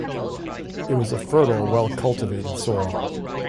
It was a fertile, well-cultivated soil.